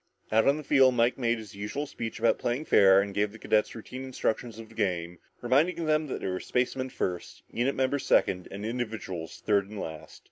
Out on the field Mike made his usual speech about playing fair and gave the cadets the routine instructions of the game, reminding them that they were spacemen first, unit members second, and individuals third and last.